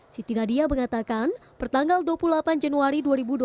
siti nadia mengatakan pertanggal dua puluh delapan januari dua ribu dua puluh